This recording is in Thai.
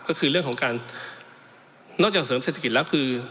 ก็คือเรื่องของการนอกจากเสริมเศรษฐกิจแล้วคือ